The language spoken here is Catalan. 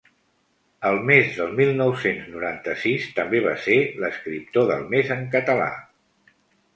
El mes del mil nou-cents noranta-sis també va ser l’escriptor del mes en català.